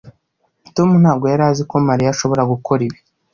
Tom ntabwo yari azi ko Mariya ashobora gukora ibi